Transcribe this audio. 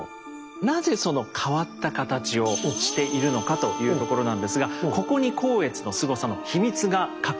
なぜその変わった形をしているのかというところなんですがここに光悦のスゴさの秘密が隠されているんです。